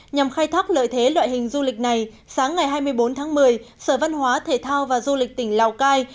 nhằm khai thác lợi thế loại hình du lịch này sáng ngày hai mươi bốn tháng một mươi sở văn hóa thể thao và du lịch tỉnh lào cai